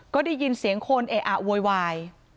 ก็ได้ยินเสียงโคนเวย